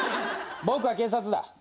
僕は警察だ。